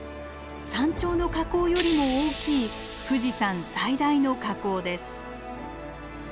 山頂の火口よりも大きい富士山最大の火口です。